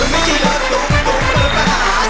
มันไม่ใช่รถตุ๊กตุ๊กมันรถมหาสนุก